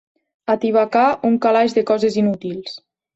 Atibacar un calaix de coses inútils.